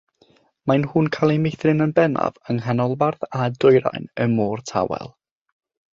Maen nhw'n cael eu meithrin yn bennaf yng nghanolbarth a dwyrain y Môr Tawel.